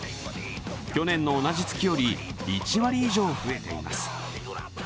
去年の同じ月より１割以上増えています。